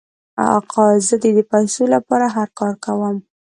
آقا زه د دې پیسو لپاره هر کار کوم.